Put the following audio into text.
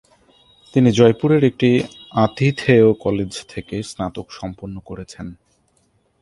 তিনি জয়পুরের একটি আতিথেয় কলেজ থেকে স্নাতক সম্পন্ন করেছেন।